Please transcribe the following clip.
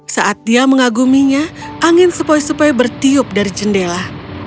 saat dia mengaguminya angin sepoi sepoi bertiup dari jendela